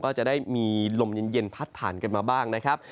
ก็จะได้มีลมเย็นพัดผ่านกันมาบ้างนะครับ